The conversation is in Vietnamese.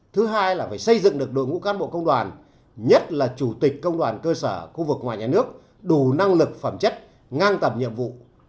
thứ hai là phải xây dựng được đội ngũ cán bộ công đoàn nhất là chủ tịch công đoàn cơ sở khu vực ngoài nhà nước đủ năng lực phẩm chất ngang tầm nhiệm vụ